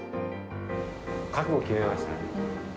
覚悟決めましたね。